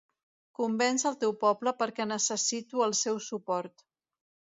Convenç el teu poble perquè necessito el seu suport.